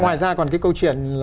ngoài ra còn cái câu chuyện